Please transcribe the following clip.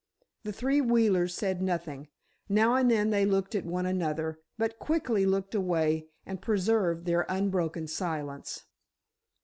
The three Wheelers said nothing. Now and then they looked at one another, but quickly looked away, and preserved their unbroken silence.